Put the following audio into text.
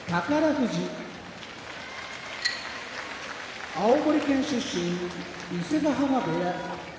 富士青森県出身伊勢ヶ濱部屋